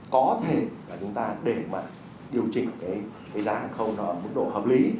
có thể là chúng ta để mà điều chỉnh cái giá hàng không nó ở mức độ hợp lý